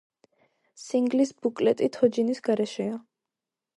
სინგლის ბუკლეტი თოჯინის გარეშეა.